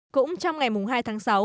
cũng trong ngày hai tháng sáu